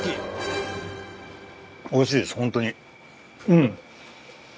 うん